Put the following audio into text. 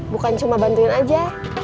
bukan cuma bantuin aja